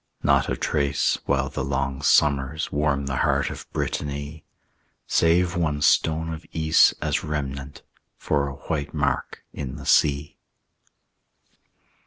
Not a trace, while the long summers Warm the heart of Brittany, Save one stone of Ys, as remnant, For a white mark in the sea.